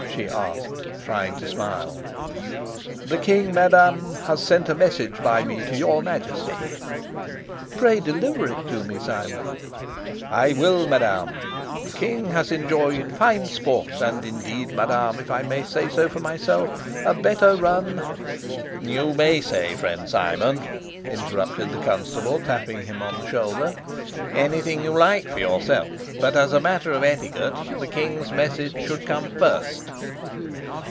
she asked, trying to smile. "The king, madam, has sent a message by me to your majesty." "Pray, deliver it to me, Simon." "I will, madam. The king has enjoyed fine sport; and, indeed, madam, if I may say so for myself, a better run. " "You may say, friend Simon," interrupted the constable, tapping him on the shoulder, "anything you like for yourself, but, as a matter of etiquette, the king's message should come first."